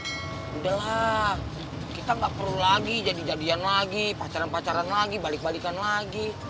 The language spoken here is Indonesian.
sudah lah kita nggak perlu lagi jadi jadian lagi pacaran pacaran lagi balik balikan lagi